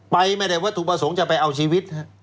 ไปไม่ได้วัตถุประสงค์จะไปเอาชีวิต